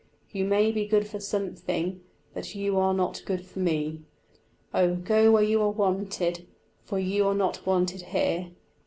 You may be good for something, but you are not good for me. Oh, go where you are wanted, for you are not wanted here."